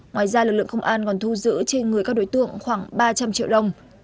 ngoài ra lực lượng công an còn thu giữ trên người các đối tượng khoảng ba trăm linh triệu đồng